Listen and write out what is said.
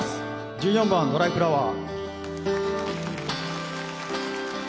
１４番「ドライフラワー」。